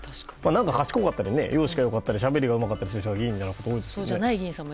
賢かったり容姿が良かったりしゃべりが良かったりする人が議員になることが多いですよね。